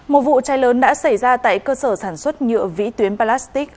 một vụ cháy lớn đã xảy ra tại cơ sở sản xuất nhựa vĩ tuyến palastic